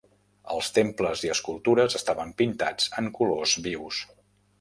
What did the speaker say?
Els temples i escultures estaven pintats en colors vius.